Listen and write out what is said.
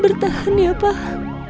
bertahan ya pak